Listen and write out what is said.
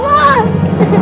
ya allah ya allah